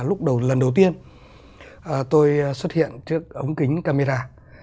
lần đầu tiên tôi xuất hiện trước ống kính camera